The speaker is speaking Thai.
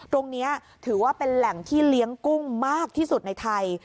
ตรงนี้ถือว่าเป็นแหล่งที่เลี้ยงกุ้งมากที่สุดในไทย